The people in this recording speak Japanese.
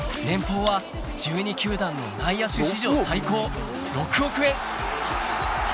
年俸は１２球団の内野手史上最高６億円